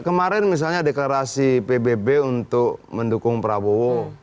kemarin misalnya deklarasi pbb untuk mendukung prabowo